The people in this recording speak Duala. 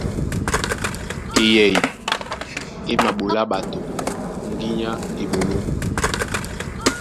Eyɛy é maɓolá ɓato ŋgínya á eɓoló.